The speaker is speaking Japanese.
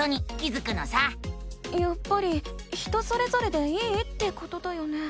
やっぱり人それぞれでいいってことだよね？